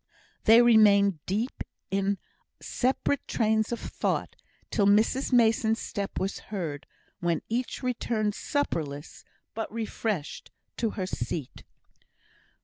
They remained deep in separate trains of thought till Mrs Mason's step was heard, when each returned, supperless but refreshed, to her seat.